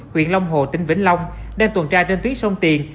huyện long hồ tỉnh vĩnh long đang tuần tra trên tuyến sông tiền